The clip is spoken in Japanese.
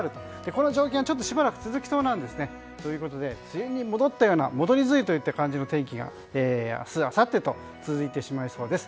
この状況がしばらく続きそうなんですね。ということで梅雨に戻ったような戻り梅雨といった天気が明日あさってと続いてしまいそうです。